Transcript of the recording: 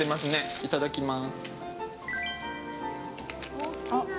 いただきます。